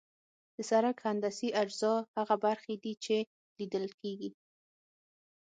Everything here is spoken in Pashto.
د سرک هندسي اجزا هغه برخې دي چې لیدل کیږي